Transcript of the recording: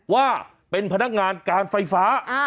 ว่าเป็นพนักงานการไฟฟ้า